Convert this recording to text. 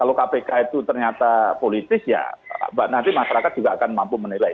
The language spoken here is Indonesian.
kalau kpk itu ternyata politis ya nanti masyarakat juga akan mampu menilai